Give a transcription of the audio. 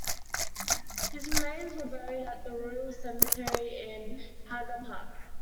His remains were buried at the Royal Cemetery in Haga Park.